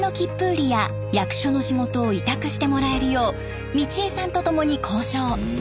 売りや役所の仕事を委託してもらえるよう美千枝さんとともに交渉。